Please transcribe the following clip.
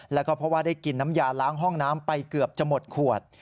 แล้วก็เพราะว่าได้กินน้ำยาล้างห้องน้ำไปเกือบจะหมดขวด